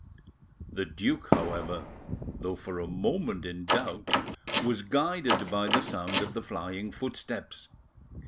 The duke, however, though for a moment in doubt, was guided by the sound of the flying footsteps.